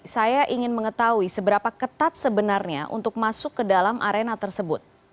saya ingin mengetahui seberapa ketat sebenarnya untuk masuk ke dalam arena tersebut